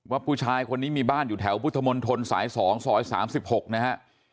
ว่าผู้ชายคนนี้มีบ้านอยู่แถวพุทธมนตรสาย๒ซอย๓๖นะฮะ